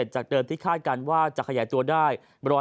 จากเดิมที่คาดการณ์ว่าจะขยายตัวได้